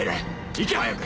行け早く！